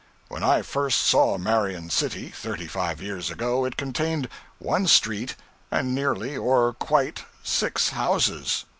When I first saw Marion City, thirty five years ago, it contained one street, and nearly or quite six houses.